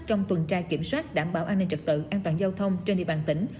trong tuần tra kiểm soát đảm bảo an ninh trật tự an toàn giao thông trên địa bàn tỉnh